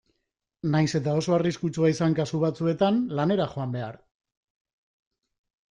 Nahiz eta oso arriskutsua izan kasu batzuetan lanera joan behar.